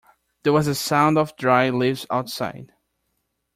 There was a sound of dry leaves outside.